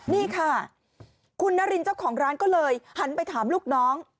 นี่ค่ะคุณนารินเจ้าของร้านก็เลยหันไปถามลูกน้อง